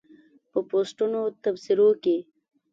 په پوسټونو تبصرو کې